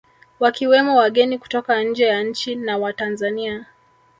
Wakiwemo wageni kutoka nje ya nchi na Watanzania